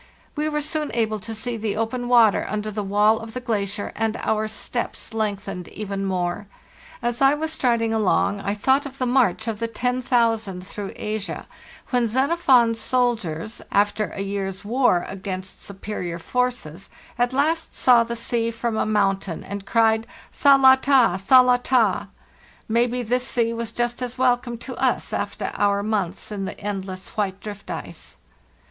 We were soon able to see the open water under the wall of the glacier, and our steps lengthened even more. As I was striding along I thought of the march of the Ten Thousand through Asia, when Xenophon's soldiers, after a year's war against superior forces, at last saw the sea from a mountain and cried, ' Thalatta! thalatta! Maybe this sea was just as welcome to us after our months in the endless white drift ice.